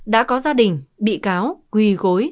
đã có gia đình bị cáo quỳ gối